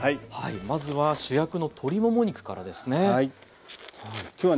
まずは主役の鶏もも肉からですね。